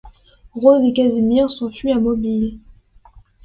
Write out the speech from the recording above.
Rose et Casimir s'enfuient à Mobile.